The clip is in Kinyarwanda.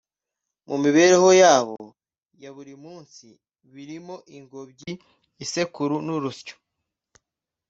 mu mibereho yabo ya buri munsi, birimo ingobyi, isekuru n’urusyo